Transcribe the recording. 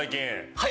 はい。